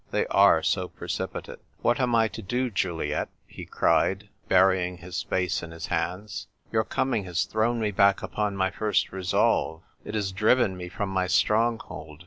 They are so precipitate !" What am I to do, Juliet ?" he cried, bury ing his face in his hands. " Your coming has thrown me back upon my first resolve ; it has driven me from my stronghold.